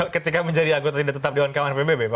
ketika menjadi anggota tidak tetap dewan kaman pbb pak markari